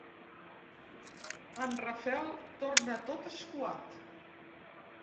En Rafel torna tot escuat.